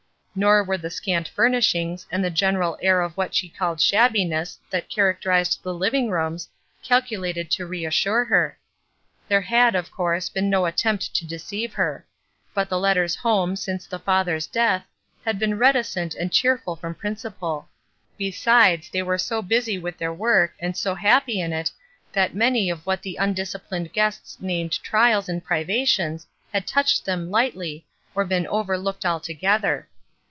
Nor were the scant furnishings, and the general air of what she called shabbiness that characterized the living rooms, calculated to reassure her. There had, of course, been no attempt to deceive her; but the letters home, since the father's death, had been reticent and cheerful from principle; be sides, they were so busy with their work and so happy in it that many of what the undis cipUned guests named trials and privations had touched them hghtly or "been overlooked al together.